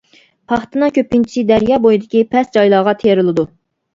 پاختىنىڭ كۆپىنچىسى دەريا بويىدىكى پەس جايلارغا تېرىلىدۇ.